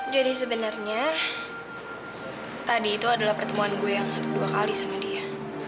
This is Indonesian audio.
jadi sebenernya tadi itu adalah pertemuan gue yang dua kali sama dia